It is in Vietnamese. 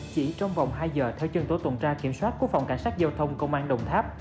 chỉ trong vòng hai giờ theo chân tố tồn tra kiểm soát của phòng cảnh sát giao thông công an động tháp